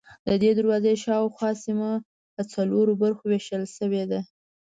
ددې دروازې شاوخوا سیمه په څلورو برخو وېشل شوې ده.